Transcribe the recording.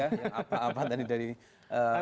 apa apa tadi dari mas andai